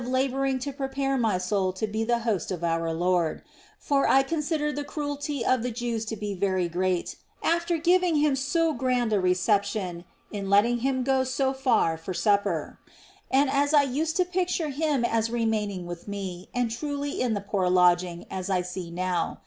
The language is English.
403 labouring to prepare my soul to be the host of our Lord ; for I considered the cruelty of the Jews to be very great, after giving Him so grand a reception, in letting Him go so far for supper ; and I used to picture Him as remaining with me, and truly in a poor lodging, as I see now.